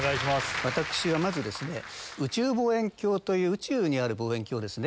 私はまず宇宙望遠鏡という宇宙にある望遠鏡ですね。